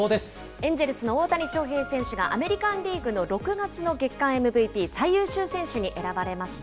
エンジェルスの大谷翔平選手が、アメリカンリーグの６月の月間ＭＶＰ・最優秀選手に選ばれました。